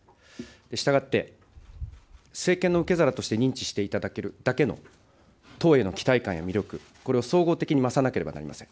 したがって、政権の受け皿として認知していただけるだけの党への期待感や魅力、これを総合的に増さなければなりません。